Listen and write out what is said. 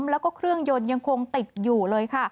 แล้วก็เครื่องยนต์ยังคงติดอยู่เลยค่ะ